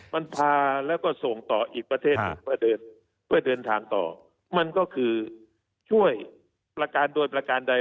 มันพาแล้วก็ส่งต่ออีกประเทศหนึ่งเพื่อเดินเพื่อเดินทางต่อมันก็คือช่วยประการโดยประการใด